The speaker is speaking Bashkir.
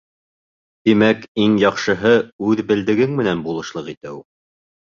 Тимәк, иң яҡшыһы — үҙ белдегең менән булышлыҡ итеү.